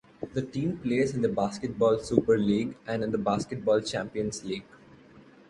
The team plays in the Basketball Super League and in the Basketball Champions League.